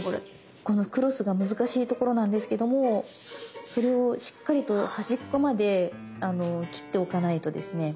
このクロスが難しいところなんですけどもそれをしっかりと端っこまで切っておかないとですね